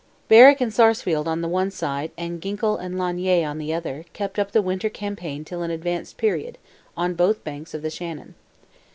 Berwick and Sarsfield on the one side and Ginkle and Lanier on the other, kept up the winter campaign till an advanced period, on both banks of the Shannon.